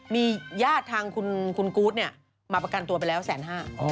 มีญาติทางคุณกู๊ดเนี่ยมาประกันตัวไปแล้วแสนห้า